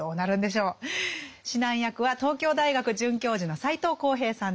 指南役は東京大学准教授の斎藤幸平さんです。